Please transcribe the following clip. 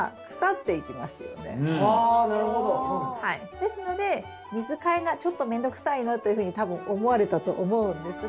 ですので水替えがちょっと面倒くさいなというふうに多分思われたと思うんですが。